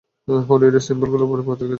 হলিউডের সিম্বলগুলো উপড়ে গেছে!